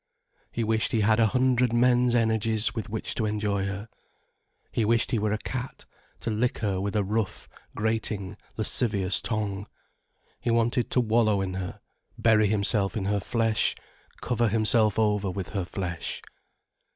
He wished he had a hundred men's energies, with which to enjoy her. [He wished he were a cat, to lick her with a rough, grating, lascivious tongue. He wanted to wallow in her, bury himself in her flesh, cover himself over with her flesh.